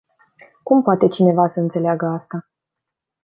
Cum poate cineva să înțeleagă asta?